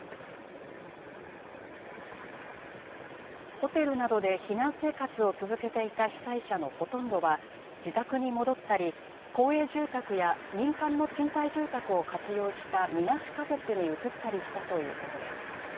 ホテルなどで避難生活を続けていた被災者のほとんどは、自宅に戻ったり、公営住宅や民間の賃貸住宅を活用したみなし仮設に移ったりしたということです。